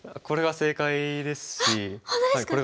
これが正解ですし。